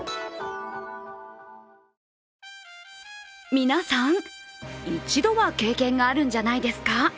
皆さん、一度は経験があるんじゃないですか。